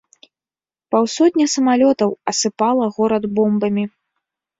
Паўсотня самалётаў асыпала горад бомбамі.